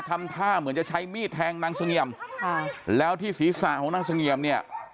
ทำท่าเหมือนจะใช้มีดแทงนางเสงี่ยมค่ะแล้วที่ศีรษะของนางเสงี่ยมเนี่ย